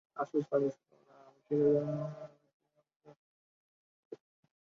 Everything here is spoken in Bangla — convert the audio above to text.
তিনি আমির-ই-শিকার এবং পরে গোয়ালিয়রের আমির হিসেবে উন্নিত হন।